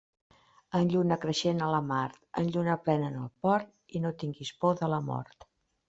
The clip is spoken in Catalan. En lluna creixent a la mar, en lluna plena en el port i no tingues por de la mort.